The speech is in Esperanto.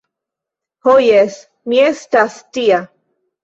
Ho jes! mi estas tia.